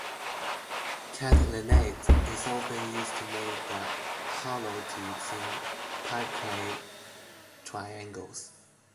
Catlinite is often used to make the hollow tubes in pipeclay triangles.